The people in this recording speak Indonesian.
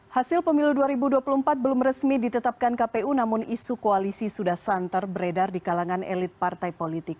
hasil pemilu dua ribu dua puluh empat belum resmi ditetapkan kpu namun isu koalisi sudah santer beredar di kalangan elit partai politik